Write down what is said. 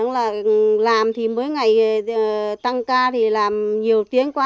làm thì mỗi ngày tăng ca thì làm nhiều tiếng quá